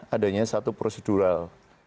adanya satu prosedural